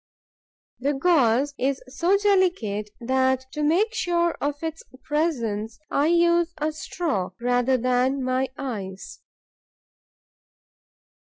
The gauze is so delicate that, to make sure of its presence, I use a straw rather than my eyes.